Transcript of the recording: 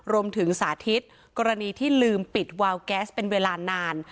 สาธิตกรณีที่ลืมปิดวาวแก๊สเป็นเวลานาน